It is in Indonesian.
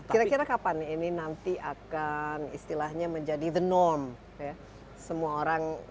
kira kira kapan ini nanti akan istilahnya menjadi the norm